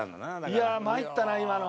いやあ参ったな今の。